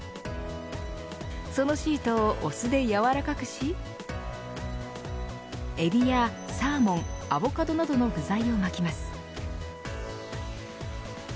そのシートをお酢でやわらかくしえびやサーモンアボカドなどの具材を巻きます。